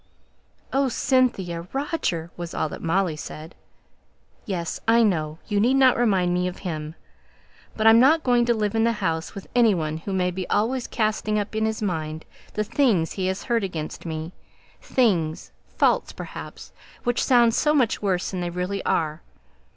"Oh, Cynthia Roger!" was all that Molly said. "Yes, I know! you need not remind me of him. But I'm not going to live in the house with any one who may be always casting up in his mind the things he had heard against me things faults, perhaps which sound so much worse than they really are.